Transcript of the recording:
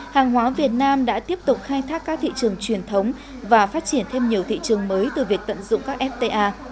hàng hóa việt nam đã tiếp tục khai thác các thị trường truyền thống và phát triển thêm nhiều thị trường mới từ việc tận dụng các fta